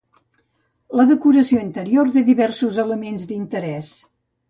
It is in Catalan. La decoració interior té diversos elements d'interès.